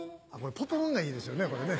「ポポン」がいいですよねこれね。